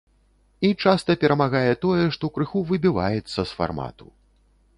І часта перамагае тое, што крыху выбіваецца з фармату.